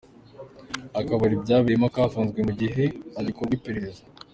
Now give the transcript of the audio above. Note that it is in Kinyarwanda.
Akabari byabereyemo kafunzwe mu gihe hagikorwa iperereza.